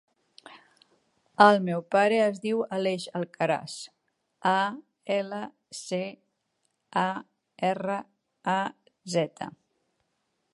El meu pare es diu Aleix Alcaraz: a, ela, ce, a, erra, a, zeta.